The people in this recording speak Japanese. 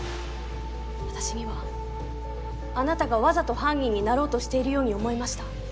私にはあなたがわざと犯人になろうとしているように思えました。